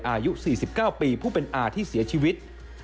อายุ๔๙ปีผู้เป็นอาที่เสียชีวิต